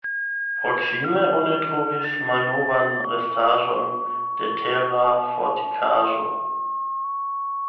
Proksime oni trovis malnovan restaĵon de tera fortikaĵo.